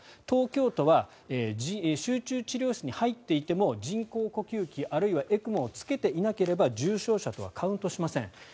東京都は集中治療室に入っていても人工呼吸器、あるいはＥＣＭＯをつけていなければ重症者とはカウントしません。